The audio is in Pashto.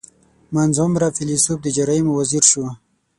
• منځ عمره فېلېسوف د جرایمو وزیر شو.